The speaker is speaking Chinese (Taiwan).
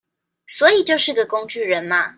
所以就是個工具人嘛